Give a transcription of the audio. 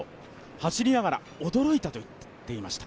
走りながら驚いたと言っていました。